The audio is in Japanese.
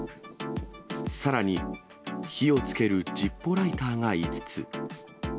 さらに火をつけるジッポーライターが５つ。